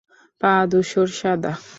পা ধূসর সাদা।